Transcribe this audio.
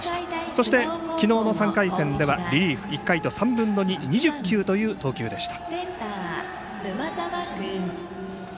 そして、昨日の３回戦ではリリーフ１回と３分の２２０球という投球でした。